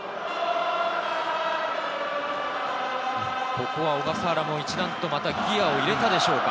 ここは小笠原も一段とギアを入れたでしょうか。